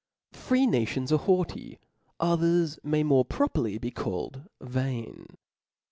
^ Free nations are haughty ; others may more properly be called vain.